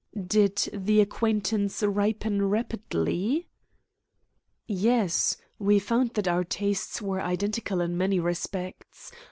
"Did the acquaintance ripen rapidly?" "Yes. We found that our tastes were identical in many respects.